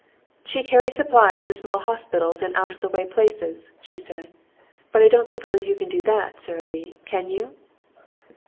"She carries supplies to small hospitals in out of the way places," she said. "But I don't suppose you can do that, Sara Lee, can you?"